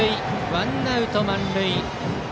ワンアウト満塁。